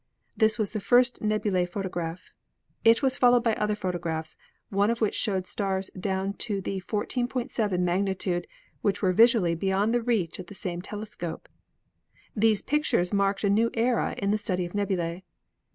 This was the first nebular photo graph. It was followed by other photographs, one of which showed stars down to the 14.7 magnitude which were visually beyond the reach of the same telescope. These pictures marked a new era in the study of nebulae.